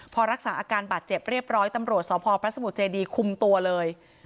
พอรักษาอาการบาดเจ็บเรียบร้อยตำรวจสพพระสมุทรเจดีคุมตัวเลย